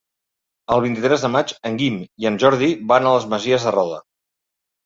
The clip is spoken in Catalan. El vint-i-tres de maig en Guim i en Jordi van a les Masies de Roda.